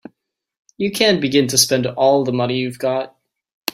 You can't begin to spend all the money you've got.